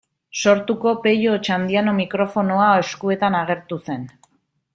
Sortuko Pello Otxandiano mikrofonoa eskuetan agertu zen.